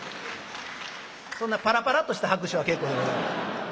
そんなパラパラとした拍手は結構でございます。